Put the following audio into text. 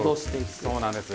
そうなんですよ。